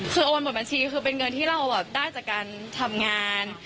คือโอนหมดบัญชีคือเป็นเงินที่เราได้จากการทำงาน